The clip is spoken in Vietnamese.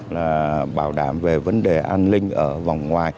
là bảo đảm về vấn đề an ninh ở vòng ngoài